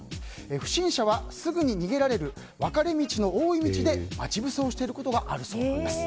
不審者はすぐに逃げられる分かれ道の多い道で待ち伏せをしていることがあるそうです。